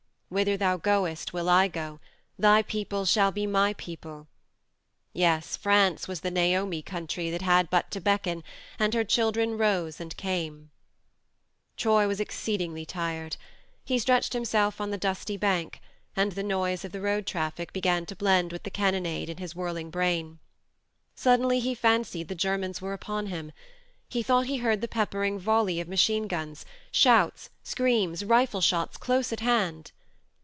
"Whither thou goest will I go, thy people shall be my people. ..." Yes, France was the Naomi country that had but to beckon, and her children rose and came. . THE MARNE 115 Troy was exceedingly tired : he stretched himself on the dusty bank, and the noise of the road traffic began to blend with the cannonade in his whirling brain. Suddenly he fancied the Germans were upon him. He thought he heard the peppering volley of machine guns, shouts, screams, rifle shots close at hand.